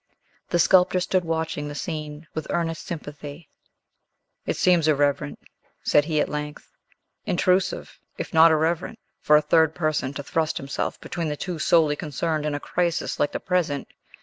The sculptor stood watching the scene with earnest sympathy. "It seems irreverent," said he, at length; "intrusive, if not irreverent, for a third person to thrust himself between the two solely concerned in a crisis like the present.